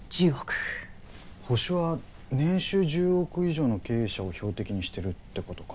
ホシは年収１０億以上の経営者を標的にしてるって事か。